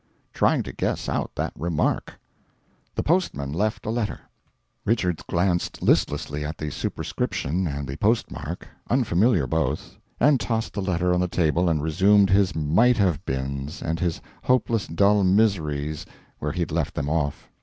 Trying to guess out that remark. The postman left a letter. Richards glanced listlessly at the superscription and the post mark unfamiliar, both and tossed the letter on the table and resumed his might have beens and his hopeless dull miseries where he had left them off.